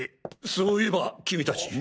そういえば君たち。